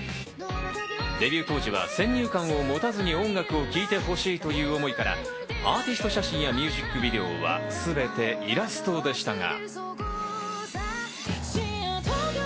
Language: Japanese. デビュー当時は先入観を持たずに音楽を聴いてほしいという思いからアーティスト写真やミュージックビデオはすべてイラストでしたが。